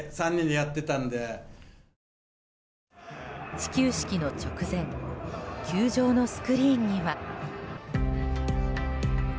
始球式の直前球場のスクリーンには。